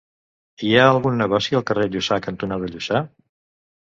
Hi ha algun negoci al carrer Lluçà cantonada Lluçà?